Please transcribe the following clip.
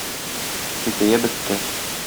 Хикәя бетте.